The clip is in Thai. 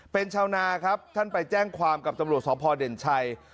เป็นชาวนาครับท่านไปแจ้งความกับตำรวจสพเด่นชัย